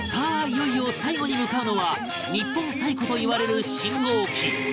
いよいよ最後に向かうのは日本最古といわれる信号機